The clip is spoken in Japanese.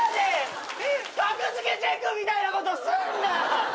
『格付けチェック』みたいなことすんな！